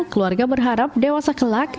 keluarga berharap dewasa kelak